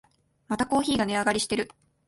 またコーヒーが値上がりしてる